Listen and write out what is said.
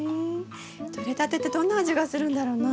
とれたてってどんな味がするんだろうな。